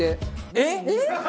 えっ！